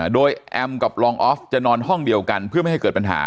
โดยแอมกับรองออฟจะนอนห้องเดียวกันเพื่อไม่ให้เกิดปัญหา